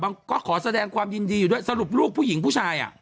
ก็ขอแสดงความยินดีอยู่ด้วยสรุปลูกผู้หญิงผู้ชายอ่ะ